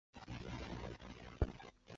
设为大兴安岭地区行政公署所在地。